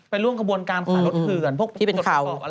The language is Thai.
ไปล่วงกระบวนการขายรถเผือนที่เป็นเข่า